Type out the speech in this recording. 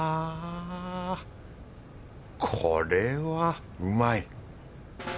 これはうまい！